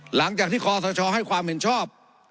หลังจากที่คอสชให้ความเห็นชอบ